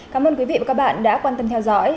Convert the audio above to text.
cảm ơn quý vị và các bạn đã quan tâm theo dõi